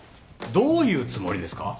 どういうつもりですか？